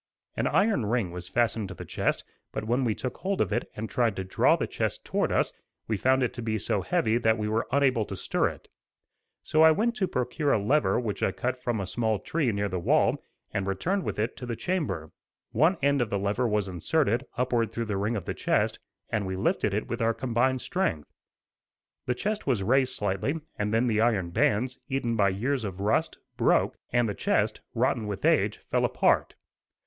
An iron ring was fastened to the chest, but when we took hold of it and tried to draw the chest toward us, we found it to be so heavy that we were unable to stir it. So I went to procure a lever which I cut from a small tree near the wall, and returned with it to the chamber. One end of the lever was inserted, upward through the ring of the chest and we lifted with our combined strength. The chest was raised slightly, and then the iron bands, eaten by years of rust, broke, and the chest, rotten with age, fell apart.